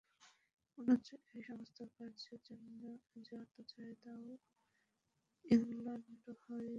পুনশ্চ এই সমস্ত কার্যের জন্য যে অর্থ চাই, তাহাও ইংলণ্ড হইতে আসিবে।